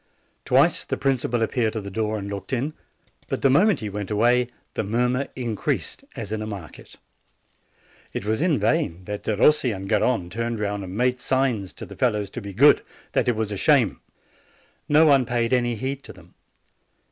Twice the principal appeared at the door and looked in ; but the moment he went away the mur mur increased as in a market. It was in vain that Derossi and Garrone turned round and made signs to the fellows to be good, that it was a shame. No one paid any heed to them.